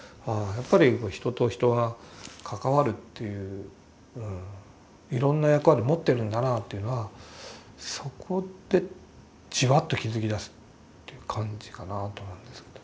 やっぱり人と人は関わるといういろんな役割持ってるんだなというのはそこでじわっと気付きだすって感じかなと思うんですけど。